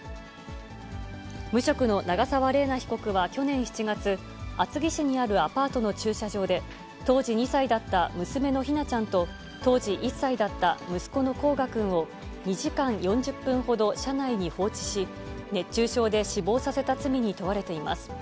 無職の長沢麗奈被告は去年７月、厚木市にあるアパートの駐車場で、当時２歳だった娘の姫梛ちゃんと、当時１歳だった息子の煌翔くんを、２時間４０分ほど車内に放置し、熱中症で死亡させた罪に問われています。